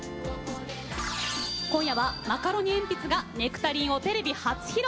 今夜はマカロニえんぴつが「ネクタリン」をテレビ初披露。